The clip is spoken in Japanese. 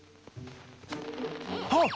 あっ！